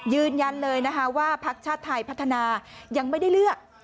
ยืนยันเลยนะคะว่าพักชาติไทยพัฒนายังไม่ได้เลือก